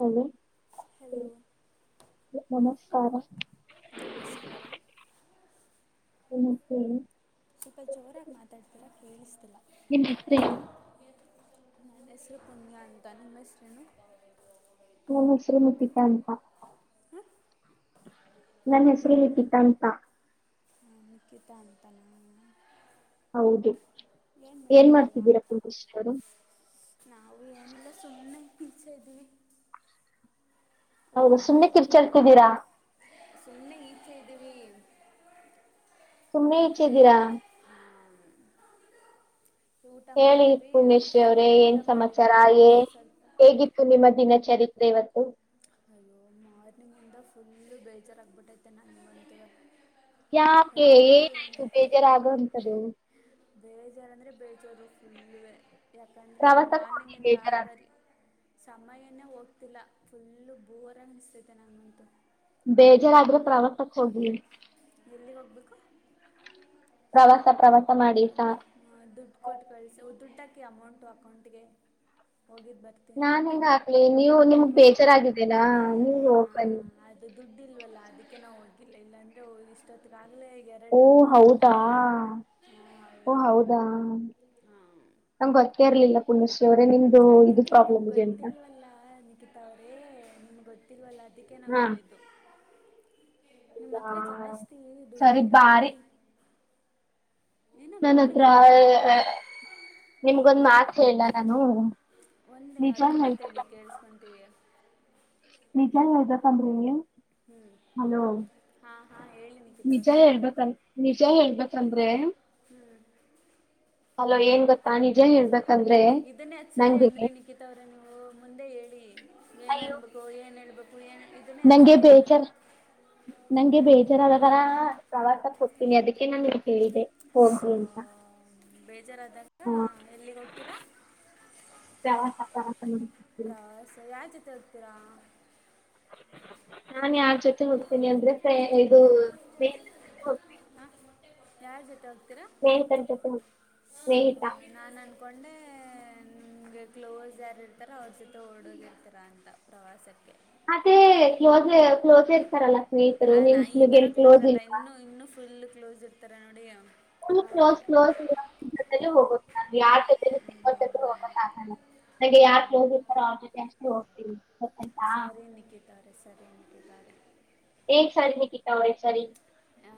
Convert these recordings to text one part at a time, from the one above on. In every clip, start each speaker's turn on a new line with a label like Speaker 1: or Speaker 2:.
Speaker 1: Hello
Speaker 2: hello
Speaker 1: ನಮಸ್ಕಾರ
Speaker 2: ನಮಸ್ಕಾರ
Speaker 1: ಏನಂತೀರಿ
Speaker 2: ಸ್ವಲ್ಪ ಜೋರಾಗಿ ಮಾತಾಡ್ತಿರ ಕೇಳಿಸ್ತಿಲ್ಲ.
Speaker 1: ನಿಮ್ ಹೆಸ್ರೇನು?
Speaker 2: ನನ್ನ ಹೆಸರು ಪುಣ್ಯ ಅಂತ ನಿಮ್ಮ ಹೆಸರೇನು
Speaker 1: ನಮ್ಮ ಹೆಸರು ಲಿಪಿತಾ ಅಂತ ನನ್ ಹೆಸರು ಲಿಪಿತಾ ಅಂತ
Speaker 2: ನಿಕಿತಾ ಅಂತಾನಾ
Speaker 1: ಹೌದು ಏನ್ ಮಾಡ್ತಿದ್ದೀರಾ ಕುಂತ ಸ್ಟಡಿ.
Speaker 2: ನಾವು ಏನೆಲ್ಲ ಸುಮ್ಮನೆ ಪಿಚ್ಚಸೆ ಇದ್ದೀವಿ ಊಟ
Speaker 1: ಹೌದು ಸುಮ್ನೆ
Speaker 2: ಮಾಡಿದ್ವಿ
Speaker 1: ಕಿರ್ಚಾಡ್ತಿದ್ದೀರಾ
Speaker 2: [inaudible] ಸುಮ್ಮನೆ ಈಚೆ ಇದ್ದೀವಿ.
Speaker 1: ಸುಮ್ನೆ ಈಚೆ ಇದ್ದೀರಾ.
Speaker 2: ಹ್ಮ್ [unintelligible]
Speaker 1: ಹೇಳಿ ಪುಣ್ಯೇಶ್ರೀ ಅವ್ರೇ
Speaker 2: ಊಟ
Speaker 1: ಏನ್ ಸಮಾಚಾರೇ
Speaker 2: ಮಾಡಿದ್ವಿ
Speaker 1: ಹೇ
Speaker 2: ಅದಕ್ಕೆ ಸ್ವಲ್ಪ
Speaker 1: ಹೇಗಿತ್ತು ನಿಮ್ಮ ದಿನಚರಿತ್ರೆ ಇವತ್ತು.
Speaker 2: ಅಯ್ಯೋ ಮಾರ್ನಿಂಗಿಂದ ಫುಲ್ಲು ಬೇಜಾರಾಗಬಿಟ್ಟೈತೆ ನಂಗೆ ಇವತ್ತಇವೆ
Speaker 1: ಯಾಕೆ ಏನಾಯ್ತು ಬೇಜಾರಾಗುವಂತದ್ದು.
Speaker 2: ಬೇಜಾರಂದ್ರೆ ಬೇಜಾರು ಫೋಲ್ಲುವೆ. ಯಾಕಂದ್ರೆ
Speaker 1: ಪ್ರವಾಸಕ್ಕೆ ಹೋಗಿ
Speaker 2: ಮಾರ್ನಿಂಗಿಂದ
Speaker 1: ಬೇಜಾರಾದ್ರೆ
Speaker 2: ಬರಿ ಸಮಯನೇ ಹೋಗ್ತಿಲ್ಲ ಫುಲ್ಲು ಬೋರಅನ್ನ ಸ್ತೈತೆ ನನಗಂತೂ.
Speaker 1: ಬೇಜಾರಾದ್ರೆ ಪ್ರವಾಸಕ್ಕೆ ಹೋಗಿ.
Speaker 2: ಎಲ್ಲಿಗೆ ಹೋಗಬೇಕು.
Speaker 1: ಪ್ರವಾಸ ಪ್ರವಾಸ.. ಮಾಡಿ
Speaker 2: ಹಾ
Speaker 1: ಸ-
Speaker 2: ದುಡ್ಡು ಕೊಟ್ಟು ಕಳಿಸ ದುಡ್ಡಹಾಕು ಅಮೌಂಟ್ ಅಕೌಂಟಿಗೆ [inaudible] ಹೋಗಿ ಇದ್ದ ಬರ್ತೀನಿ
Speaker 1: ನಾನ್ ಹೆಂಗ್ ಹಾಕ್ಲಿ ನೀವು ನಿಮ್ಮಗಾ ಬೇಜಾರಾಗಿದ್ದಲ್ಲ ನೀವು
Speaker 2: ಹಾಂ
Speaker 1: ಹೋಗ್ಬನ್ನಿ.
Speaker 2: ಅದು ದುಡ್ಡು ಇಲ್ವಲ್ಲ ಅದಕ್ಕೆ ನಾವು ಹೋಗಿಲ್ಲ ಇಲ್ಲಾ ಅಂದ್ರೆ ಹೋಗಿ ಇಷ್ಟೊತ್ತಿಗೆ ಆಗಲಿ...
Speaker 1: ಓ ಹೌದಾ.. [inaudible] ಓ ಹೌದ.. ನಂಗ್ ಗೊತ್ತೇ ಇರ್ಲಿಲ್ಲ ಪುಣಶ್ರೀ ಅವರೇ ನಿಮ್ದು ಇದು ಪ್ರಾಬ್ಲಮ್ ಇದೆ ಅಂತ..
Speaker 2: ಅಲ್ಲ ನಿಕಿತಾ ಅವರೇ ನಿಮಗೆ ಗೊತ್ತಿಲ್ವಲ್ಲ ಅದಕ್ಕೆ ನಾವು
Speaker 1: ಹಾ
Speaker 2: ಹೇಳಿದ್ದು. ನಿಮ್ಮ್
Speaker 1: ಹೌದಾ
Speaker 2: ಹತ್ರ ಜಾಸ್ತಿ
Speaker 1: ಸರಿ
Speaker 2: ದುಡ್ಡಿದ್ರೆ
Speaker 1: ಬಾರಿ
Speaker 2: ಹಾಕಿ. ಏನೋ
Speaker 1: ನನ್ ಹತ್ರ
Speaker 2: ಬಾರ್ಗೋಯ್ತೀರಾ
Speaker 1: [unintelligible] ನಿಮಗೊಂದ್ ಮಾತ್ ಹೇಳ ನಾನು
Speaker 2: ಒಂದೇ
Speaker 1: ನಿಜ
Speaker 2: ಹತ್ತ ಮಾತ
Speaker 1: ಹೇಳ್ಬೇಕ
Speaker 2: ಹೇಳಿ ಕೇಳಸ್ತೀವಿ.
Speaker 1: ನಿಜನೆ ಹೇಳ್ಬೇಕಂದ್ರೆ ನಿಮ್ಗ್
Speaker 2: ಹ್ಞೂ
Speaker 1: ಹಲೋ
Speaker 2: ಹಾಂ ಹಾಂ ಹೇಳಿ ನಿಖಿತ್
Speaker 1: ನಿಜ
Speaker 2: ಅವರೇ
Speaker 1: ಹೇಳ್ಬೇಕಲ್. ನಿಜ ಹೇಳ್ಬೇಕಂದ್ರೆ
Speaker 2: ಹ್ಮ್
Speaker 1: ಹಲೋ ಏನ್ ಗೊತ್ತಾ ನಿಜ ಹೇಳ್ಬೇಕಂದ್ರೆ
Speaker 2: ಇದನ್ನೇ ಹತ್ತು
Speaker 1: [inaudible]
Speaker 2: ಸಲ
Speaker 1: ನಂಗೆ..
Speaker 2: [unintelligible] ಮುಂದೆ ಹೇಳಿ ಏನ್
Speaker 1: ಅಯ್ಯೋ
Speaker 2: ಹೇಳ್ಬೇಕು ಏನು ಹೇಳ್ಬೇಕು ಏನು ಹೇಳಿದ್ರೆ ಗೊತ್ತ..
Speaker 1: ನಂಗೆ ಬೇಜಾರ [inaudible] ನಂಗೆ
Speaker 2: ಹ್ಞೂ
Speaker 1: ಬೇಜಾರ ಆದಗಾ.. ಪ್ರವಾಸ ಹೋಗ್ತೀನಿ ಅದಕ್ಕೆ ನಾನ ನಿಂಗೆ ಕೇಳಿದೆ ಹೋಗು ಅಂತ..
Speaker 2: ಬೇಜಾರಾದಾಗ
Speaker 1: ಹ್ಮ್,
Speaker 2: ಎಲ್ಲಿಗೆ ಹೋಗ್ತೀರಾ.
Speaker 1: ಪ್ರವಾಸ ಪ್ರವಾಸ ಮಾಡಕ್ ಹೋಗ್ತೀನಿ.
Speaker 2: ಪ್ರಾಸ ಯಾರ ಜೊತೆ ಹೋಗ್ತೀರಾ.
Speaker 1: ನಾ ಯಾರ್ ಜೊತೆ ಹೋಗ್ತೇನಿ ಅಂದ್ರೆ ಇದು. ಸ್ನೇಹಿತರ್ ಜೊತೆ ಹೋಗ್ತೀನಿ
Speaker 2: ಹಾ ಯಾರ ಜೊತೆ ಹೋಗ್ತೀರಾ.
Speaker 1: ಸ್ನೇಹಿತರ ಜೊತೆ ಹೋಗ್ತೀನಿ ಸ್ನೇಹಿತ.
Speaker 2: ನಾನು ಅನ್ಕೊಂಡೆ ನಿಮ್ಗೆ ಕ್ಲೋಸ್ ಯಾರು ಇರ್ತಾರೋ ಅವ್ರ ಜೊತೆ ಓಡೂಗಿರ್ತೀರ ಅಂತ. ಪ್ರವಾಸಕ್ಕೆ.
Speaker 1: ಅದೇ ಕ್ಲೋಸ್ ಕ್ಲೋಸ್ ಇರ್ತಾರಲ್ಲಾ ಸ್ನೇಹಿತರು ನಿನ್ ಕ್ಲೋಸ್ ಇ
Speaker 2: ಇನ್ನು ಇನ್ನು ಫುಲ್ ಕ್ಲೋಸ್ ಇರ್ತಾರೆ ನೋಡಿ. ಆವರೆಗೆ
Speaker 1: [unintelligible] ನಂಗೆ ಯಾರ್ ಕ್ಲೋಸ್ ಇರ್ತಾರೋ ಅವ್ರ ಜೊತೆ ಅಷ್ಟೇ ಹೋಗ್ತೀವಿ ಗೊ
Speaker 2: ಸರಿ ನಿಕಿತಾ ಅವ್ರೆ ಸರಿ ನಿಕಿತಾ ಅವ್ರೆ.
Speaker 1: ಈ ಸಾರಿ ನಿಕಿತಾ ಅವ್ರೆ ಸರೀ.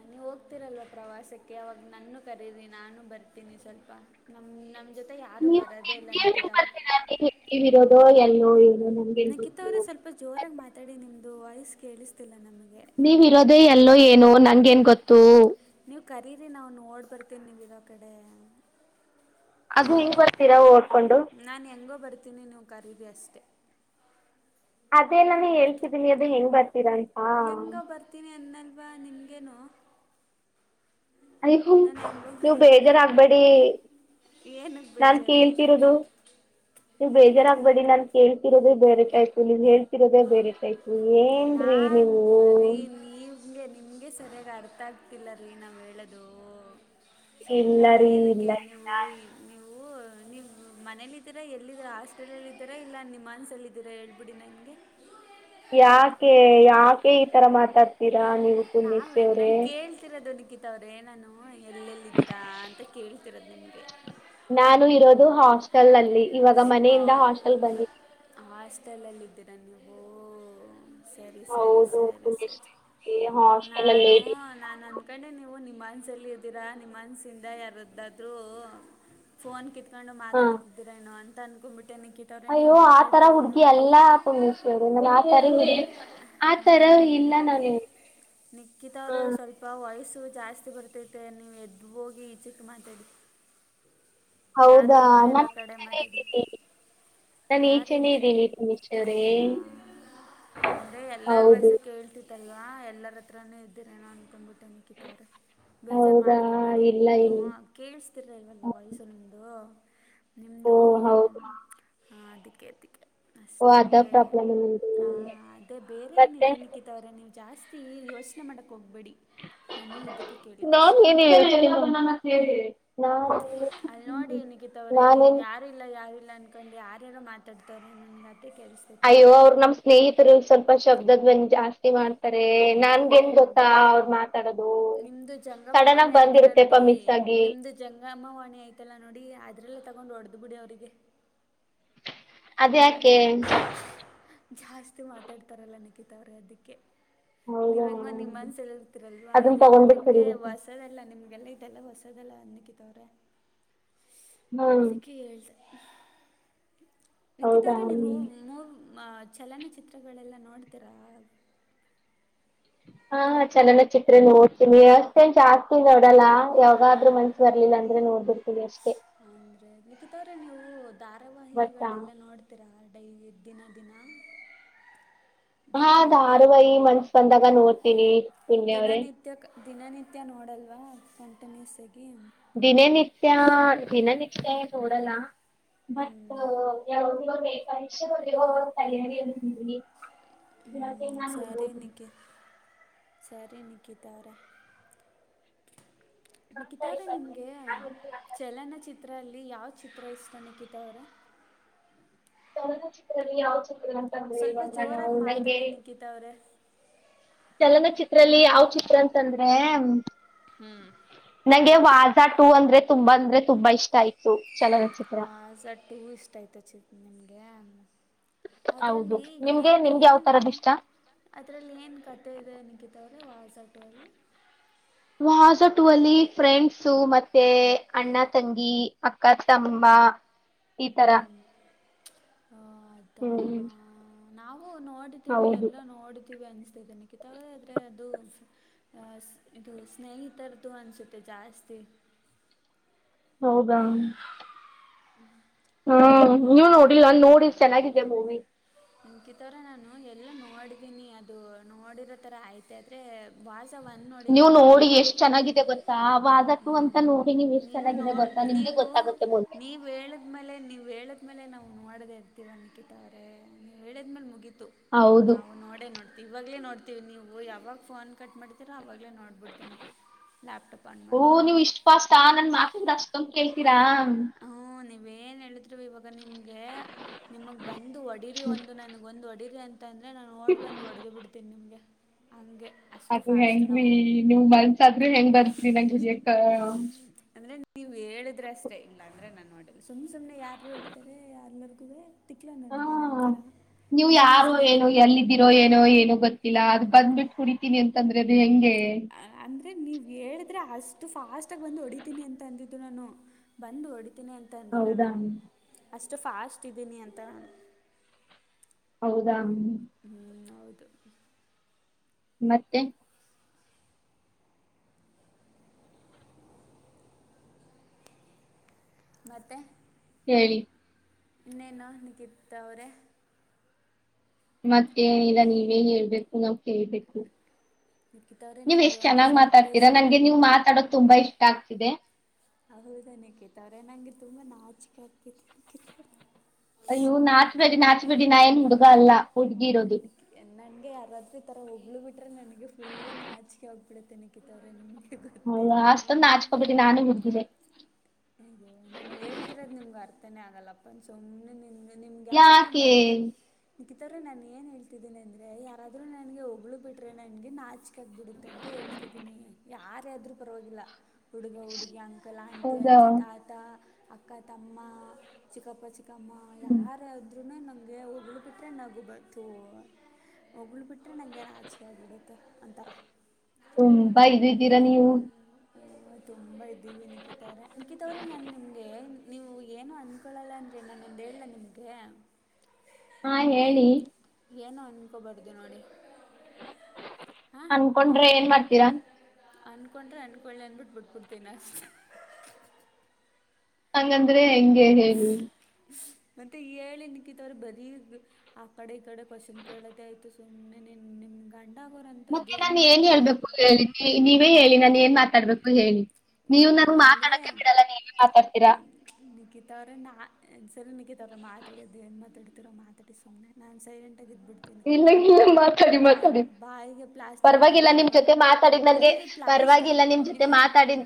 Speaker 2: ನೀವು ಹೋಗ್ತಿರಲ್ವ ಪ್ರವಾಸಕ್ಕೆ ಅವಾಗ ನನ್ನು ಕರೀರಿ ನಾನು ಬರ್ತೀನಿ ಸ್ವಲ್ಪ ನಮ ನಮ ಜೊತೆ ಯಾರು ಬರೋದೇ ಇಲ್ಲ ನಿಕಿತಾವ
Speaker 1: [unintelligible] ಇರೋದು ಎಲ್ಲೋ ಏನೋ. ನನ್ಗೇನ್
Speaker 2: ನಖಿತ
Speaker 1: ಗೊತ್ತು
Speaker 2: ಅವರೇ ಸ್ವಲ್ಪ ಜೋರಾಗಿ ಮಾತಾಡಿ ನಿಮ್ದ ವಾಯ್ಸ್ ಕೇಳಿಸ್ತಿಲ್ಲ ನಮಗೆ.
Speaker 1: ನೀವ ಇರೋದೆೇ ಎಲ್ಲೋ ಏನೋ ನಂಗ ಎನ್ ಗೊತ್ತು.
Speaker 2: ನೀವು ಕರೀರಿ ನಾವ್ ನೋಡ್ ಬರ್ತೆವೆ ನೀವ್ ಇರೋ ಕಡೆ.
Speaker 1: ಅದು ಈಗ್ ಬರ್ತೀರಾ ಓಡ್ಕೊಂಡು.
Speaker 2: ನಾನ್ ಹೆಂಗೋ ಬರ್ತೀನಿ ನೀವು ಕರಿರಿ ಅಷ್ಟೇ.
Speaker 1: ಅದೇ ನಾನು ಹೇಳ್ತಿದೀನಿ ಅದು ಹೆಂಗ್ ಬರ್ತೀರಾ.
Speaker 2: ಹೆಂಗೋ ಬರ್ತ ಬರ್ತೀನಿ ಅನ್ನೋಲ್ವಾ ನಿಮಗೇನು. ನಾನು
Speaker 1: [unintelligible] ನೀವು
Speaker 2: ಹೆಂಗೋ
Speaker 1: ಬೇಜಾರ ಆಗ್ಬೇಡಿ.
Speaker 2: ಏನಕ್ಕೆ
Speaker 1: ನಾನ್
Speaker 2: ಬೇಜಾರು
Speaker 1: ಕೇಳ್ತಿರೋದು. ನೀವು ಬೇಜಾರಾಗಬೇಡಿ ನಾನ್ ಕೇಳುತ್ತಿರುವುದು ಬೇರೆ ಟೈಪ್ ನೀವು ಹೇಳ್ತಿರೋದು ಬೇರೆ ಟೈಪ್.
Speaker 2: ನಾನ ರೀ ನೀೂಸ್ಗೆ [unintelligible] ನಿಮಗೆ ಸರಿಯಾಗಿ ಅರ್ಥ ಆಗ್ತಿಲ್ಲ ರೀ ನಾವು ಹೇಳೋದು..
Speaker 1: ಇಲ್ಲ
Speaker 2: ಸುಮ್ನೆ
Speaker 1: ರೀ ಇಲ್ಲ
Speaker 2: ಏನಕ್ಕೆ
Speaker 1: ಇಲ್ಲ
Speaker 2: ನೀವು ನೀವು. ನೀವು ಮನೇಲ್ಲಿದ್ದೀರಾ ಎಲ್ಲಿದ್ದೀರ ಹಾಸ್ಪಿಟಲ್ ಅಲ್ಲಿ ಇದ್ದೀರಾ ಇಲ್ಲ ನಿಮ್ಹಾನ್ಸ್ ಅಲ್ಲಿ ಇದ್ದೀರಾ ಹೇಳ್ಬಿಡಿ ನಂಗೆ.
Speaker 1: ಯಾಕೆ ಯಾಕೆ ಈ ತರ ಮಾತಾಡ್ತೀರಾ ನೀವು.
Speaker 2: ನಾವೆ
Speaker 1: ಪುಣ್ಯಶ್ರೀ
Speaker 2: ನಾನ್
Speaker 1: ಅವರೇ
Speaker 2: ಕೇಳುತ್ತಿರುವುದು [unintelligible] ನಾನು ಎಲ್ಲೆಲ್ಲಿದ್ದೀರಾ ಅಂತ ಕೇಳ್ತಿರೋದು ನಿಮ್ಗೆ.
Speaker 1: ನಾನು ಇರೋದು ಹಾಸ್ಟೆಲ್ ಅಲ್ಲಿ ಇವಾಗ ಮನೆಯಿಂದ ಹಾಸ್ಟೆಲ್ ಬಂದಿದ್ದೀನಿ.
Speaker 2: ಹಾಸ್ಟೆಲಲ್ಲಿದ್ದೀರಾ ನೀವು. ಸರಿ ಸರಿ
Speaker 1: ಹೌದು
Speaker 2: ಸರಿ ಸರಿ
Speaker 1: ಪುಣ್ಯಶ್ರೀ ಹಾಸ್ಟೆಲ್ ಅಲ್ಲಿ
Speaker 2: ನಾನು
Speaker 1: ಇದ್ದೀನಿ.
Speaker 2: ನಾನ ಕಂಡೆ ನೀವು ನಿಮ್ಹಾನ್ಸ್ ಅಲ್ಲಿ ಇದ್ದೀರಾ ನಿಮ್ಹಾನ್ಸ್ ದಿಂದ ಯಾರದ್ದಾದ್ರೂ. ಫೋನ್ ಕಿತ್ಕೊಂಡು
Speaker 1: ಹಾ
Speaker 2: ಮಾತಾಡ್ತಿದೀರೇನು ಅಂತ ಅನ್ಕೊಂಡ್ಂಬಿಟ್ಟೆ ನಿಕಿತಾ.
Speaker 1: ಅಯ್ಯೋ ಆತರ ಹುಡ್ಗಿ ಎಲ್ಲಾ ಪುಣ್ಯೇಶ್ರಿ ನಾನ ಆತರ ಆ ತರ ಇಲ್ಲ ನಾನು.
Speaker 2: ನಿಖಿತ ಅವರ
Speaker 1: ಹಾ
Speaker 2: ಸ್ವಲ್ಪ ಸ್ವಲ್ಪ ವಯಸ್ಸು ಜಾಸ್ತಿ ಬರ್ತೈತೆ ನೀವು ಎದ್ದು ಹೋಗಿ ಈಚಕ್ಕ ಮಾತಾಡಿ. ಯಾರು
Speaker 1: ಹೌದಾ
Speaker 2: ಇಲ್ದೆ ಇರೋ
Speaker 1: ನಾನು
Speaker 2: ಕಡೆ
Speaker 1: ಈಚೆನೆ
Speaker 2: ಮಾತಡಿ.
Speaker 1: ಇದ್ದೀನಿ ನಾನು
Speaker 2: ಯಾರ
Speaker 1: ಈಚೆನೆ
Speaker 2: ಇಲ್
Speaker 1: ಇದ್ದೀನಿ ಪುಣ್ಯಶ್ರೀ ಅವ್ರೆ
Speaker 2: ಹೌದಾ. ಅಂದ್ರೆ ಎಲ್ಲರ ವಾಯ್ಸ್
Speaker 1: ಹೌದು
Speaker 2: ಕೇಳ್ತಿತ್ತಲ್ವಾ ಎಲ್ಲರ ಹತ್ರಾನೇ ಇದ್ದರೇನೋ ಅನ್ಕೊಂಡ್ಬಿಟ್ಟೆ ನೀ ಆಾಕಿತ್ತ ಅವ್ರೆ ಬೇಜಾರು
Speaker 1: ಹೌದಾ
Speaker 2: ಮಾಡ್ಕೊಬೇಡಿ
Speaker 1: ಇಲ್ಲ
Speaker 2: ನಾನು
Speaker 1: ಇಲ್ಲ
Speaker 2: ಕೇಳಿಸ್ತಿರ ಇಲ್ವಲ್ಲ ವಯಸ್ಸು ನಿಮ್ಮದು
Speaker 1: ಓ
Speaker 2: ನಿಮ್ಮದುೂ
Speaker 1: ಹೌದಾ
Speaker 2: ಹಾ ಅದಕ್ಕೆ ಅದಕ್ಕೆ
Speaker 1: ಓ
Speaker 2: ಅಷ್ಟೇ
Speaker 1: ಅದ
Speaker 2: ಬೇರೆ
Speaker 1: ಪ್ರಾಬ್ಲಮ್ ನಿಮ್ದು
Speaker 2: ಅದೇ ಬೇರೆ ಏನಿಲ್ಲ
Speaker 1: ಮತ್ತೆ
Speaker 2: ನಿ ಆಂಕಿ ತ ಅವ್ರ ನೀವು ಜಾಸ್ತಿ ಯೋಚನೆ ಮಾಡಕ್ಕೆ ಹೋಗ್ಬೇಡಿ
Speaker 1: ನಾ ಹೇಳ ನಾ ನಾನೇನ್
Speaker 2: ಯಲ್ಲ ಯಾರಿಲ್ಲ ಅನ್ಕೊಂಡು ಯಾರಾರೋ ಮಾತಾಡ್ತಾರ್ರ ನನ್ನಗತ್ತ ಕೆಲ್ಸ
Speaker 1: ಅಯ್ಯೋ ಅವರು ನಮ್ಮ ಸ್ನೇಹಿತರು ಸ್ವಲ್ಪ ಶಬ್ದದ ಬಂದು ಜಾಸ್ತಿ ಮಾಡ್ ತ್ತಾರೆ ನನ್ಗೆ ನ್ ಗೊತ್ತಾ ಅವ್ರ ಮಾತಾಡೋದು
Speaker 2: ನಿಮ್ಮದು
Speaker 1: ಸಡನ್ ಆಗಿ ಬಂದಿರುರುತ್ತೆಪ್ಪ ಮಿಸ್ ಆಗಿ
Speaker 2: ಜಂಗ ಅಮ್ಮ ವಾಣಿ ಆಯ್ತಲ್ಲ ನೋಡಿ ಅದ್ರಲ್ಲ ತಗೊಂಡು ಹೊಡ್ದ್ ಬಿಡಿ ಅವರಿಗೆ
Speaker 1: ಅದ ಯಾಕೆ
Speaker 2: ಜಾಸ್ತಿ ಮಾತಾಡ್ತಾರಲ್ಲ ನಿಕಿತ ಅವರೇ ಅದಕ್ಕೆ ನೀವ್
Speaker 1: ಹೌದಾ
Speaker 2: ಹೆಂಗ ನಿಮ್ ಮನ್ಸಲ್ಲಿ ಇರ್ತೀರಲ್ವಾ
Speaker 1: ಅದನ್
Speaker 2: ಇದೆಲ್ಲಾ
Speaker 1: ತಗೊಂಡ್ಬಿಟ್ಟು
Speaker 2: ನಿಮ್ಗೆ
Speaker 1: ಕರಿಬೇಕು
Speaker 2: ವ ಹೊಸದಲ್ಲ ನಿಮಗೆಲ್ಲ ಇದೆಲ್ಲ ಹೊಸದಲ್ಲ ಅನ್ನಕ್ಕೆ ತವ್ರೆ
Speaker 1: ಹ್ಮ್
Speaker 2: ಅದಕ್ಕೆ ಹೇಳ್ದೆ ಹ ನಿಖಿತ್
Speaker 1: ಹೌದಾ
Speaker 2: ಅವ್ರೇ ನೀವು ಮೂ ಚಲನಚಿತ್ರಗಳೆಲ್ಲ ನೋಡ್ತೀರಾ
Speaker 1: ಹಾ ಚೆಲನ್ನ ಚಿತ್ರ ನೋಡ್ತೀನಿ ವಸ್ ಜಾಸ್ತಿ ನೋಡಲ್ಲ ಯಾವಾಗಾದ್ರರು ಮಂ ಬರ್ಲಿಲ್ಲ ಅಂದ್ರೆ ನೋಡ್ಬಿಡ್ತೀ ಅಷ್ಟೇ
Speaker 2: ಅಂದ್ರೆ ನಿಕ್ಕಿತವ್ರೆ ನೀವು
Speaker 1: ಗೊತ್ತಾ
Speaker 2: ಧಾರಾವಾಹಿಗಳೆಲ್ಲ ನೋಡ ಉತ್ತರ ಡೈಲಿ ದಿನ ದಿನ
Speaker 1: ಹಾ
Speaker 2: ದಿನನಿತ್ಯ
Speaker 1: ದಾರಾವಹಿ ಮನ್ಸ್ ಬಂದಾಗ ನೋಡ್ತೀನಿ ಪುಂಡ್ಯವ್ರೇ
Speaker 2: ನಿತ್ಯಕ್ಕೆ ದಿನನಿತ್ಯ ನೋಡಲ್ವ ಕಂಟಿನ್ಯೂಸಗ
Speaker 1: ದಿನನಿತ್ಯ ದಿನನಿತ್ಯ ನೋಡಲ್ಲ
Speaker 2: ಹ್ಞೂ
Speaker 1: ಬಟ್ ಯಾವ ಪರೀಕ್ಷೆ ತಯಾರಿಲ್ಲಿಲ್ಲಿ
Speaker 2: ಹ್ ಸಾರ ನಿಗೆ ಸರಿ ನಿಕಿತಾರೆ ನಿಖಿತ ಅವರೇ ನಿಮಗೆ ಚಲನಚಿತ್ರದಲ್ಲಿ ಯಾವ ಚಿತ್ರ ಇಷ್ಟ ನಿಖಿತ ಅವರೇ
Speaker 1: ಚ ಚಿತ್ರಲ್ಲಿ ಯಾವ ಚಿತ್ರ ಅಂತಂದ್ರೆ
Speaker 2: ಸ್ವಲ್ಪ
Speaker 1: ಇವಾಗ ನಾವು
Speaker 2: ಜೋರಾಗಿ
Speaker 1: ನಂಗೆ
Speaker 2: ಮಾತಾಡಿ ನಿಕಿತಾ ಅವ್ರೆ
Speaker 1: ಚಲನಚಿತ್ರದಲ್ಲಿ ಯಾವ ಚಿತ್ರ ಅಂತಂದ್ರೆ
Speaker 2: ಹ್ಮ್
Speaker 1: ನಂಗೆ ವಾಜಾ ಟು ಅಂದ್ರೆ ತುಂಬಾ ಅಂದ್ರೆ ತುಂಬಾ ಇಷ್ಟ ಆಯ್ತು ಚಲ
Speaker 2: ಲಸ ಟೂ ಇಷ್ಟ್ ಆಯತ ಚಿ ನಿಮಗೆ
Speaker 1: ಹೌದು
Speaker 2: ಅದ್ರಲ್ಲಿ
Speaker 1: ನಿಮ್ಗೆ
Speaker 2: ಏನು
Speaker 1: ನಿಮ್ಗೆ ಯಾವ್
Speaker 2: ಏನು
Speaker 1: ತರದ್ ಇಷ್ಟ?
Speaker 2: ಅದರಲ್ಲಿ ಏನು ಕತೆೆ ಇದೆ ಅನಗಿತವ್ರೆ ವಾಸಾಟೋಲ್ಲಿ
Speaker 1: ವಸ ಟೂ ಅಲ್ಲಿ ಫ್ರೆಂಡ್ಸ ಮತ್ತೆ ಅಣ್ಣ ತಂಗಿ ಅಕ್ಕ
Speaker 2: ಹ್ಞೂ
Speaker 1: ತಮ್ಮ ಈ ತರ
Speaker 2: ಹ್ಞೂ ಹಾ [unintelligible] ಆದಾ
Speaker 1: ಹ್ಮ್
Speaker 2: ನಾವು ನೋಡಿದಿವಿ
Speaker 1: ಹೌದು
Speaker 2: ಎಲೋ ನೋಡಿದಿವಿ ಅನ್ಸ್ತಿದ್ದನಿ ಹಾಕಿತವೆ ಅ ಆದ್ರರೆ ಅದು ಇದು ಸ್ನೇಹಿತರದದುು ಅನ್ಸುತ್ತೆ ಜಾಸ್ತಿ [unintelligible]
Speaker 1: ಹೌದಾ ಹ್ಮ ನೀವು ನೋಡಿಲ್ಲ ನಾನ್ ನೋಡ ಚೆನ್ನಾಗಿದ್ದ ಮೂವಿ
Speaker 2: ಇಂಕಿತವ್ರ ನಾನು ಎಲ್ಲ ನೋಡಿದೀನಿ ಅದು ನೋಡಿರೋ ತರ ಆಯ್ತ ಆಯ್ತ [unintelligible] ಅಷ್ಟೇ ವಾಸ ಒಂದು ನೋಡಿಲ್ಲ
Speaker 1: ನೀವ್ ನೋಡಿ
Speaker 2: ನಕಿತವ್ರೆ
Speaker 1: ಎಷ್ಟ್ ಚೆನ್ನಾಗಿದೆ ಗೊತ್ತಾ
Speaker 2: ಹ
Speaker 1: ವಾದಟು ಅಂತ ನೋಡಿ ನೀವ್ ಎಷ್ಟ್
Speaker 2: ನೀವು ನೋ
Speaker 1: ಚೆನ್ನಾಗಿದೆ ಗೊತ್ತಾ ನಿಮ್ಗೆ
Speaker 2: ನೀವು
Speaker 1: ಗೊತ್ತಾಗುತ್ತೆ ಮುಂದೆ
Speaker 2: -ನೀವು ನೀ ಹೇಳದ್ಮೇಲೆ ನೀವು ಹೇಳದ ಮೇಲೆ ನಾವು ನೋಡದೇ ತೀರಾ ಅನಕಿತ ಅವ್ರೆ ಹೇಳಿದ್ಮೇಲೆ ಮುಗೀತು
Speaker 1: ಹೌದು
Speaker 2: ನಾವು ನೋಡೇ ನೋಡಿ ಇವಾಗಲೇ ನೋಡ್ತೀವಿ ನೀವು ಯಾವಾಗ ಫೋನ್ ಕಟ್ ಮಾಡ್ತೀರೋ ಆವಾಗಲೇ ನೋಡ್ಬಿಡ್ತೀನಿ ಲಾಪಟೋಪ ಅ
Speaker 1: ಓ ನೀವ್ ಇಷ್ಟ ಪಾಷ್ಟ ನನ್ ಮಾತಿಂದ ಅಷ್ಟೊಂದು ಕೇಳ್ತೀರಾ
Speaker 2: ಹ್ಮ್ ನೀವೇನ್ ಹೇಳಿದ್ರು ಇವಾಗ ಗ ನಿಮಗೆ ನಿಮಗೆ ಬಂದು ಒಡಿರಿ ಒಂದು ನನಗ ಒಂದು ಒಡಿರಿ ಅಂತ ಅಂತ ಅಂದ್ರೆ ನಾ ನೋಡ್ ಬಂದು ಹೊಡೆದ ಬಿಡ್ತೇನಿ ನಿಮ್ಗೆ
Speaker 1: ಅದು ಹೆಂಗೀ ನೀಮ್ಮ ಮನ್ಸಾದ್ರೂ ಹೆಂಗ್ ಬತ್ರಿ ನಂಗ್ ಹೋಡಿಯೋಕ್ಕ
Speaker 2: ನೀವ್ ಹೇಳಿದ್ರೆ ಅಷ್ಟೇ ಇಲ್ಲ ಅಂದ್ರೆ ನಾನ್ ನೋಡ ಸುಮ್ ಸುಮನೆ ಯಾರೀ ಹೊಡಿತಾರೆ ಯಾರ್ಲ್ಲರಿಗೂ ತಿಕ್ಲ
Speaker 1: ಹಾ
Speaker 2: ನನಗೆ ನಿಮ್ಮ ಥರ ನಿಮ್ಮ ಮನಸಲಿ ಎನ್ ಇದೆ
Speaker 1: ಇದ್ದಿರೋ ಏನೋ ಏನೋ ಗೊತ್ತಿಲ್ಲ ಅದು ಬಂದ್ಬಿಟ್ಟು ಕುಡಿತೀನಿ ಅಂತಂದ್ರೆ ಅದು ಹೆಂಗೆ
Speaker 2: ಅಂದರೆ ನೀವು ಹೇಳಿದ್ರೆ ಅಷ್ಟು ಫಾಸ್ಟಾಗಿ ಬಂದು ಹೊಡಿತೀನಿ ಅಂತ ಅಂದಿದ್ದು ನಾನು ಬಂದು ಹೊಡಿತೀನಿ ಅಂತ ಅಂದಿಲ್ಲ
Speaker 1: ಹೌದಾ
Speaker 2: ನಾನು ಅಷ್ಟು ಫಾಸ್ಟ್ ಇದ್ದೀನಿ ಅಂತ ನಾನು
Speaker 1: ಹೌದಾ
Speaker 2: ಹ್ಮ್ ಹೌದು
Speaker 1: ಮತ್ತೆ
Speaker 2: ಮತ್ತೇ
Speaker 1: ಹೇಳಿ
Speaker 2: ಇನ್ನನ್ನ ನಿಕತ್ತ ಅವರೇ
Speaker 1: ಮತ್ತೇನಿಲ್ಲ ನೀವೇನ್ ಹೇಳ್ಬೇಕು ನಾವ್ ಕೇಳ್ಬೇಕು
Speaker 2: ನಿಖಿತ್ ಅವರೇ
Speaker 1: ನೀವ್
Speaker 2: ನಿಮಗೆ
Speaker 1: ಎಷ್ಟ್
Speaker 2: ಒಂದು
Speaker 1: ಚೆನ್ನಾಗ್
Speaker 2: ಸರ್ಪ್ರೈಸ್
Speaker 1: ಮಾತಾಡ್ತೀರಾ ನನ್ಗೆ ನೀವು ಮಾತಾಡೋದು ತುಂಬಾ ಇಷ್ಟ ಆಗ್ತಿದೆ
Speaker 2: ಹೌದ ನಿಕೇತಾ ಅವ್ರೆ ನಂಗೆ ತುಂಬಾ ನಾಚಕೆ ಆಗ್ತಿ
Speaker 1: ಅಯ್ಯವು ನಾಚ್ಬೇಡಿ ನಾಚ್ಬೇಡಿ ನಾ ಏನ್ ಹುಡುಗ ಅಲ್ಲ ಹುಡ್ಗಿ ಇರೋದು
Speaker 2: ನನಗೆ ಯಾರಾದ್ರೂ ಈ ಥರ ಹೊಗಳಿ ಬಿಟ್ರೆ ನನಗೆ ಫುಲ್ಲು ನಾಚಿಕೆ ಆಗಿಬಿಡತೇ ನಿಕಿತಾವ್ರ [unintelligible] ಗೊತ್ತಿಲ್ಲಾ
Speaker 1: ನಾನ [unintelligible]
Speaker 2: ಹ ನಾನ್ ಹೇಳ್ತಿರೋದ್ ನಿಮ್ಗೆ ಅರ್ಥನೇ ಆಗಲ್ಲಪ್ಪ ಸುಮ್ಮ್ನೆ ನಿ ನಿಮ್ಗೆ ಯಾರಾದ
Speaker 1: ಯಾಕೆ
Speaker 2: ಮದ್ವವೆ ನಿಖಿತಾ ಅವರೇ ನಾನು ಏನ್ ಹೇಳ್ತಿದ್ದೀನಿ ಅಂದ್ರೆ ಯಾರಾದ್ರೂ ನನಗೆ ಹೋಗಳ ಬಿಟ್ರೆ ನನಗೆ ನಾಚ [unintelligible] ಬಿಡುತ್ತ ಅಂತ ಹೇಳ್ತಿದ್ದೀನಿ ಯಾರಾದ್ರೂ ಪರವಾಗಿಲ್ಲ ಹುಡುಗ, ಹುಡಿಗಿ, ಅಂಕಲ್, ಆಂಟಿ,
Speaker 1: ಹೌದಾ
Speaker 2: ಅಜ್ಜಿ, ತಾತ, ಅಕ್ಕ, ತಮ್ಮ, ಚಿಕ್ಕಪ್ಪ ಚಿಕ್ಕಮ್ಮ ಯಾರಾದ್ರೂ ನಮಗೆ ಹೋಗಳಿ ಬಿಟ್ರೆ ನಗು ಬತು ಹೋಗಳ್ಳಿ ಬಿಟ್ರೆ ನನ್ನಗೆ ನಾಚಿಕೆ ಆಗಿಬಿಡುತ್ತೆ ಒಂಥರಾ
Speaker 1: ತುಂಬಾ ಇದು ಇದ್ದೀರಾ ನೀವು
Speaker 2: ತುಂಬ ಇದ್ದೀವಿ ನಿಕಿತ ಅವ್ರೆ ನಿಕಿತ ಅವ್ರೀ ನಾನು ನಿಮಗೆ ನೀವು ಏನು ಅಂತ ತಿಕೋಳಲ್ಲನ್ರಿ ನಾನೊಂದು ಹೇಳಲ್ಲಾ ನಿಮಗೆ
Speaker 1: ಹಾ ಹೇಳಿ
Speaker 2: ಏನು ಅನ್ಕೋಬಾರ್ದು ನೋಡಿ
Speaker 1: ಅನ್ಕೊಂಡ್ರೆ ಏನ್ ಮಾಡ್ತೀರಾ
Speaker 2: ಅನ್ಕೊಂಡ್ರೆ ಅಂದಕೊಳ್ಳಿ ಅಂದ್ಬಿಟ್ಟು ಬಿಟ್ಬಿಡ್ತೀನ ಅಷ್ಟೆ
Speaker 1: ಹಂಗಂದ್ರೆ ಹೆಂಗೆ ಹೇಳಿ
Speaker 2: ಮತ್ತೆ ಹೇಳಿ ನಿಖಿತಾ ಅವರೇ ಬರಿ ಆ ಕಡೆ ಈ ಕಡೆ ಕೋಶನ್ ಕೇಳೋದೇ ಆಯ್ತು ಸುಮ್ಮನೆ ನಿನ್ ನಿಮ ಗಂಡಗೋರ ಅಂತದ್ದ
Speaker 1: ಮತ್ತೆ
Speaker 2: ಏನ್
Speaker 1: ನಾನು
Speaker 2: ಮಾಡ್ತಾರೆ
Speaker 1: ಹೇಳ್ಬೇಕು ಹೇಳಿ ನೀವೇ ಹೇಳಿ ನಾನ ಏನ್ ಮಾತಾಡ್ಬೇಕು ಹೇಳಿ ನೀವು ನಂಗೆ
Speaker 2: ಒಂದು ಅಂದರೆ
Speaker 1: ಮಾತಾಡಕ್ಕೆ ಬಿಡಲ್ಲ ನೀವ ಮಾತಾಡ್ತೀರಾ.. [inaudible]
Speaker 2: ನಿಕಿತಾವ್ರೆ ನಾನ್ ಸರಿ ನಿಕಿತಾವ್ರೆ ಮಾತಾಡೋದು ಏನ್ ಮಾತಾಡ್ತಿೀರೋ ಮಾತಾಡಿ ಸುಮ್ಮನೆ ನಾನ್ ಸೈಲೆಂಟ್ ಆಗಿಇದ್ದ ಬಿಡತೀನಿ
Speaker 1: ಇಲ್ಲ ಇಲ್ಲ ಮಾತಾಡಿ ಮಾತಾಡಿ
Speaker 2: ಬಾಯಿಗೆ ಬಾಯಿಗೆ
Speaker 1: ಪರವಾಗಿಲ್ಲ
Speaker 2: ಪ್ಲಾಸ್ಟಿಂತನಿ
Speaker 1: ನಿಮ್
Speaker 2: ಇವಾಗ
Speaker 1: ಜೊತೆ ಮಾತಾಡಿದ್
Speaker 2: ಇರಿ
Speaker 1: ನನ್ಗೆ
Speaker 2: ಇರಿ ಲಾಸ್ಟ ಒನ್
Speaker 1: ಪರವಾಗಿಲ್ಲ ನಿಮ್ ಜೊತೆ
Speaker 2: ಇಲ್ಲೇ
Speaker 1: ಮಾತಾಡಿದ್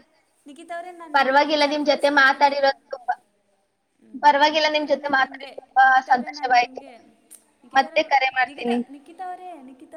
Speaker 2: ನಿಖಿತಾ ಅವ್ರೇ ನಾನು ನಿಮಗೆ ಒಂದು
Speaker 1: ಪರವಾಗಿಲ್ಲ ನಿಮ್
Speaker 2: ಸರ್ಪ್ರೈಸ್
Speaker 1: ಜೊತೆ
Speaker 2: ಕೊಡ್ತೀನಿ.
Speaker 1: ಮಾತಾಡಿರೋದು ತುಂಬಾ
Speaker 2: ಹ್ಮ್
Speaker 1: ಪರವಾಗಿಲ್ಲ ನಿಮ್
Speaker 2: ನಿಿಕಿತವ್ರೇ
Speaker 1: ಜೊತೆ
Speaker 2: ನಾನ್ ನಿಮ್ಗೆ
Speaker 1: ಮಾತಾಡಿದ್ ತುಂಬಾ
Speaker 2: ನಿಿಕಿತವ್ರೇ ನಾನ್
Speaker 1: ಸಂತೋಷವಾಯ್ತು
Speaker 2: ನಿಮ್ಗೆ ನಿಿಕಿತರ
Speaker 1: ಮತ್ತೆ ಕರೆ
Speaker 2: ನಿಕಿತಾ
Speaker 1: ಮಾಡ್ತೀನಿ
Speaker 2: ನಿಕಿತಾ ಅವರೇ ನಿಕಿತಾ.